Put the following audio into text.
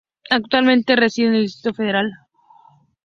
Actualmente reside en el Distrito Federal.